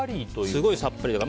すごいさっぱりです。